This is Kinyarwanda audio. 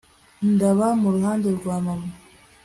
ndaba mu ruhande rwa mama